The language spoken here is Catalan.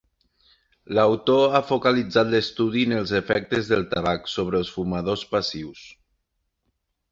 L'autor ha focalitzat l'estudi en els efectes del tabac sobre els fumadors passius.